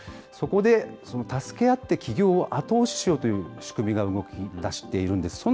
そこで、助け合って起業を後押ししようという仕組みが動きだしているんです。